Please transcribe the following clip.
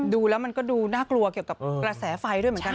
ดูแล้วมันก็ดูน่ากลัวเกี่ยวกับกระแสไฟด้วยเหมือนกัน